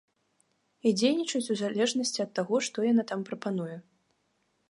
І дзейнічаюць у залежнасці ад таго, што яна там прапануе.